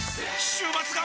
週末が！！